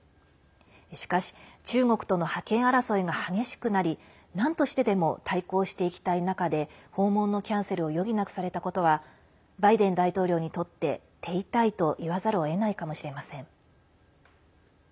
しかし、中国との覇権争いが激しくなりなんとしてでも対抗していきたい中で訪問のキャンセルを余儀なくされたことはバイデン大統領にとって手痛いと言わざるをえないかもしれません。